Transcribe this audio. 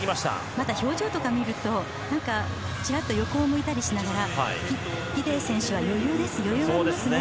まだ表情とかを見るとちらっと横を向いたりしながらギデイ選手は余裕がありますね。